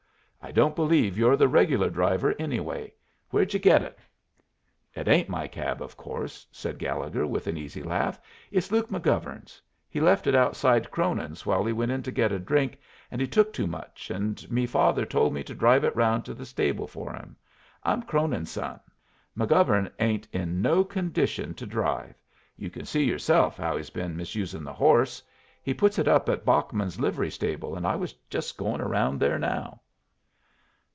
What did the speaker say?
I don't believe you're the regular driver, anyway. Where'd you get it?" "It ain't my cab, of course," said Gallegher, with an easy laugh. "It's Luke McGovern's. He left it outside Cronin's while he went in to get a drink, and he took too much, and me father told me to drive it round to the stable for him. I'm Cronin's son. McGovern ain't in no condition to drive. You can see yourself how he's been misusing the horse. He puts it up at Bachman's livery stable, and I was just going around there now."